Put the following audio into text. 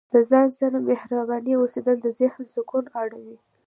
د ځان سره مهربانه اوسیدل د ذهن سکون راوړي.